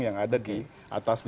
yang ada di atasnya